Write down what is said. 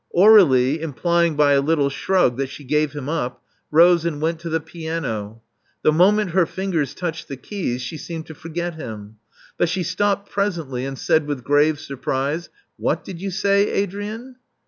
'* Aur^lie, implying by a little shrug that she gave him up, rose and went to the piano. The moment her fingers touched the keys, she seemed to forget him. But she stopped presently, and said with grave surprise, What did you say, Adrian?